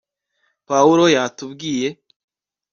pawulo yatubwiye